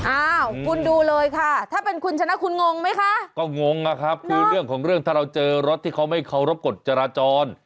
อ้าวคุณดูเลยค่ะถ้าเป็นคุณชนะคุณงงไหมคะก็งงนะครับคือเรื่องของเรื่องถ้าเราเจอรถที่เขาไม่เคารพกฎจราจร